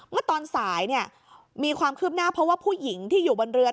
เมื่อตอนสายเนี่ยมีความคืบหน้าเพราะว่าผู้หญิงที่อยู่บนเรือ